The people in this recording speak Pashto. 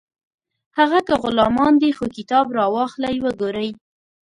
هغه که غلامان دي خو کتاب راواخلئ وګورئ